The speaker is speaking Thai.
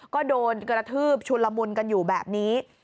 ก็โดนกระทืบชุนละมุนกันอยู่แบบนี้